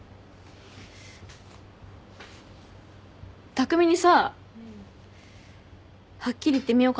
匠にさはっきり言ってみようかなって。